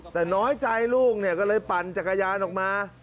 แต่น้อยใจลูกเนี่ยก็เลยปั่นจักรยานออกมา